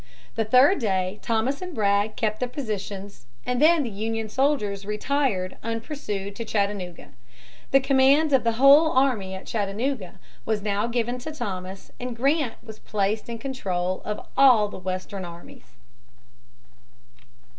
The third day Thomas and Bragg kept their positions, and then the Union soldiers retired unpursued to Chattanooga. The command of the whole army at Chattanooga was now given to Thomas, and Grant was placed in control of all the Western armies.